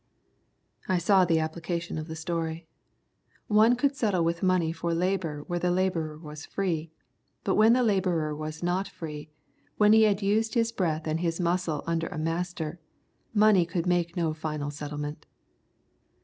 I saw the application of the story. One could settle with money for labour when the labourer was free, but when the labourer was not free, when he had used his breath and his muscle under a master, money could make no final settlement.